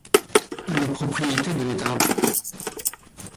Il est propriété de l'État.